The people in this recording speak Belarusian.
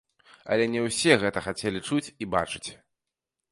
Але не ўсе гэта хацелі чуць і бачыць.